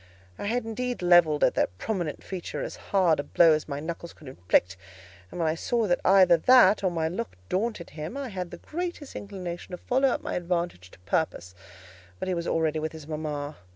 I had indeed levelled at that prominent feature as hard a blow as my knuckles could inflict; and when I saw that either that or my look daunted him, I had the greatest inclination to follow up my advantage to purpose; but he was already with his mama.